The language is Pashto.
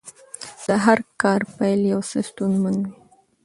د هر کار پیل یو څه ستونزمن وي.